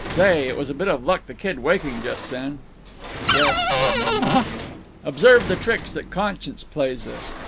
Say, it was a bit of luck the kid waking just then." "Yes," said Mamie. Observe the tricks that conscience plays us.